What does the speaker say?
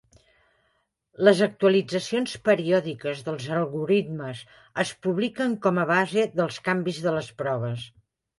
Les actualitzacions periòdiques dels algorismes es publiquen com a base dels canvis de les proves.